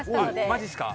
マジっすか。